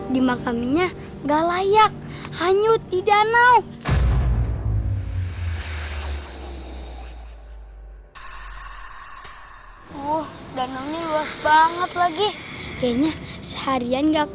di makaminya gak layak hanyut di danau uh danangnya luas banget lagi kayaknya seharian